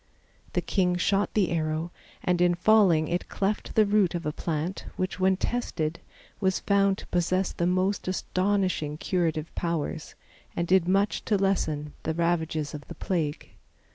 The king shot the arrow and in falling it cleft the root of a plant which, when tested, was found to possess the most astonishing curative powers, and did much to lessen the ravages of the plague.